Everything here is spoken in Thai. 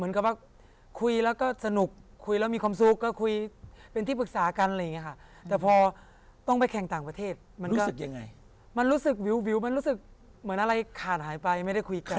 มันก็มันรู้สึกวิวมันรู้สึกเหมือนอะไรขาดหายไปไม่ได้คุยกัน